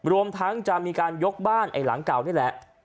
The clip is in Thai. รวมทั้งจะมีการยกบ้านไอ้หลังเก่านี่แหละ